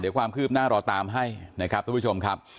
เดี๋ยวความคืบหน้าเราตามให้นะครับทุกผู้ชมครับ